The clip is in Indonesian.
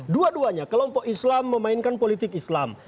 dua duanya kelompok islam memainkan politik islam